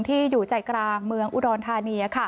อยู่ใจกลางเมืองอุดรธานี